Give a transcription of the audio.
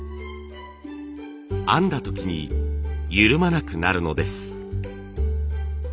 編んだ時に緩まなくなるのです。